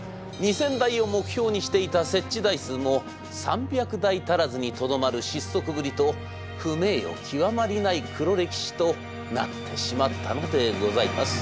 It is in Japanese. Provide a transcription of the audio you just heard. ２，０００台を目標にしていた設置台数も３００台足らずにとどまる失速ぶりと不名誉極まりない黒歴史となってしまったのでございます。